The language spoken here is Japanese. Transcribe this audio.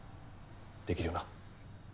できるよな？